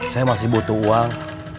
saya masih butuh uang